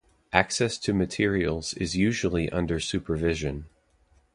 Access to materials is usually under supervision.